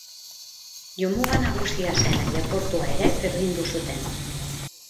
Jomuga nagusia zen aireportua ere birrindu zuten.